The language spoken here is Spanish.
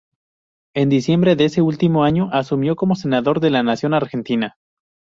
En diciembre de ese último año asumió como Senador de la Nación Argentina.